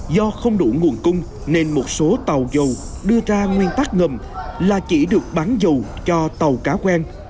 do không đủ nguồn cung nên một số tàu dầu đưa ra nguyên tắc ngầm là chỉ được bắn dù cho tàu cá quen